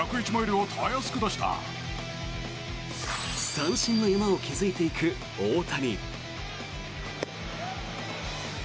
三振の山を築いていく大谷。